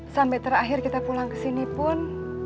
sampai terakhir kita pulang kesini pun